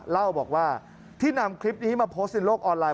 เล่าบอกว่าที่นำคลิปนี้มาโพสต์ในโลกออนไลน